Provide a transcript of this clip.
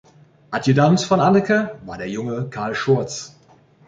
Adjutant von Anneke war der junge Carl Schurz.